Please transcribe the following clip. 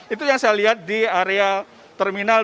itu yang saya lihat di area terminal